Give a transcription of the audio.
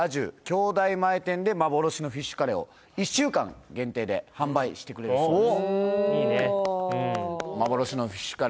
京大前店で幻のフィッシュカレーを１週間限定で販売してくれるそうです